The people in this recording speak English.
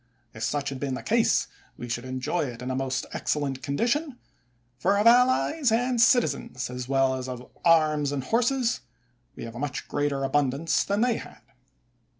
If such had been the case, we should enjoy it in a most ex cellent condition; for of allies and citizens, as well as arms and horses, we have a much greater abundance that they had.